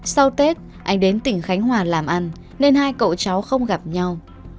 sau tết anh đến tỉnh khánh hòa làm ăn nên hai cậu cháu không gặp nhau